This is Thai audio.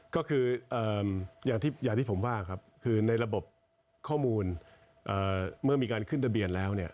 ก็คืออย่างที่ผมว่าครับคือในระบบข้อมูลเมื่อมีการขึ้นทะเบียนแล้วเนี่ย